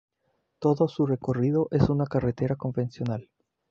Todo su recorrido es una carretera convencional.